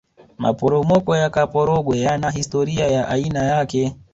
maporomoko ya kaporogwe yana hisitoria ya aina yake